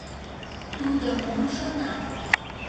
Тудо мом шона?